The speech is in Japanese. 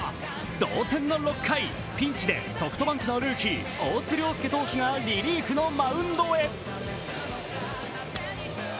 同点の６回、ピンチでソフトバンクのルーキー、大津亮介投手がリリーフのマウンドへ。